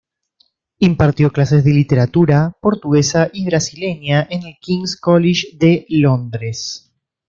Impartió clases literatura portuguesa y brasileña en el King's College de Londres.